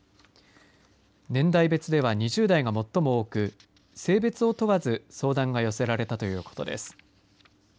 年代別では２０代が最も多く性別を問わず相談が寄せられたということです。